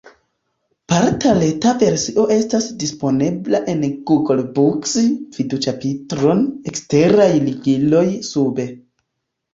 Parta reta versio estas disponebla en Google Books (vidu ĉapitron "Eksteraj ligiloj" sube).